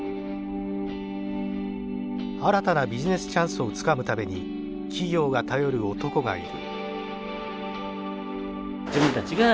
新たなビジネスチャンスをつかむために企業が頼る男がいる。